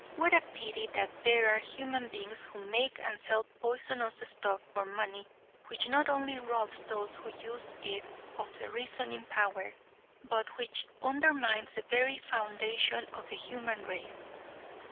What a pity that there are human beings who make and sell poisonous stuff for money which not only robs those who use it of their reasoning power, but which undermines the very foundation of the human race!